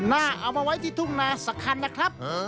น่าเอามาไว้ที่ทุ่งนาศคัณภ์นะครับ